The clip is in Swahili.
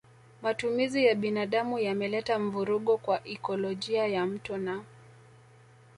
Matumizi ya binadamu yameleta mvurugo kwa ekolojia ya mto na